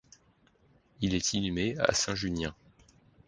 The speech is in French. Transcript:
Il est inhumé à Saint-Junien.